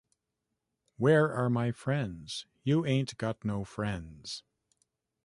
Where are my friends? You ain’t got no friends.